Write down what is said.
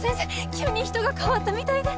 急に人が変わったみたいで。